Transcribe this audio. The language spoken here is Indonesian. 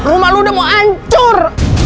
rumah lo udah mau hancur